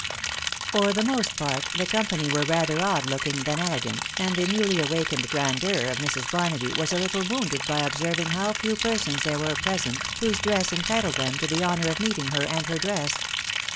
318 THE WTBOW BAKNABY. For the most part, the company were rather odd looking than elegant, and the newly awakened grandeur of Mrs. Bar naby was a little wounded by observing how few persons there were present whose diets entitled them to the honour of meet ing her and her dress.